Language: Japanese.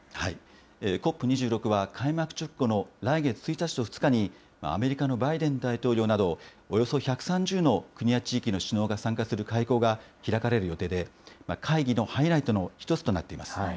ＣＯＰ２６は開幕直後の来月１日と２日に、アメリカのバイデン大統領など、およそ１３０の国や地域の首脳が参加する会合が開かれる予定で、会議のハイライトの一つとなっています。